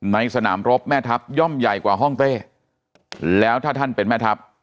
ในสนามรบแม่ทัพย่อมใหญ่กว่าห้องเต้แล้วถ้าท่านเป็นแม่ทัพ